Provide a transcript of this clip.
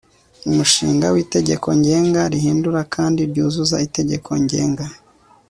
umushinga w'itegeko ngenga rihindura kandi ryuzuza itegeko ngenga